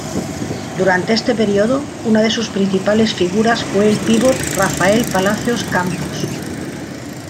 Durante este período, una de sus principales figuras fue el pivot Rafael Palacios Campos.